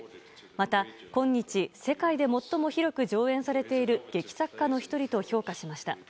また、こんにち世界で最も広く上演されている劇作家の１人と評価しました。